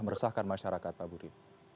meresahkan masyarakat pak budi